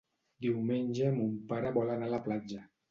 Diumenge mon pare vol anar a la platja.